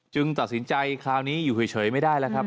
ตัดสินใจคราวนี้อยู่เฉยไม่ได้แล้วครับ